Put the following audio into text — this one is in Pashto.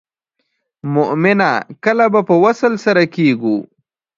مومنه کله به په وصل سره کیږو.